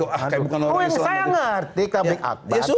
oh yang saya ngerti takbik akbar